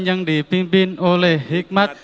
yang dipimpin oleh hikmat